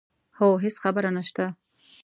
هو هېڅ خبره نه شته.